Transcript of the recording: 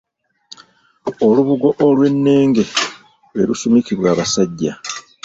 Olubugo olwennenge lwe lusumikibwa abasajja.